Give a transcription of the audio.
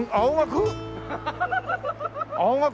青学？